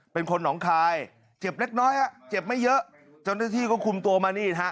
เป็นคนหนองคายเจ็บเล็กน้อยฮะเจ็บไม่เยอะเจ้าหน้าที่ก็คุมตัวมานี่ฮะ